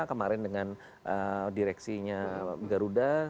kemarin dengan direksinya garuda